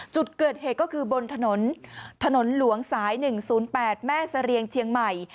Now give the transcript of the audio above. จุดเกิดเหตุก็คือบนถนนถนนหลวงสาย๑๐๘แม่เสรียงเชียงใหม่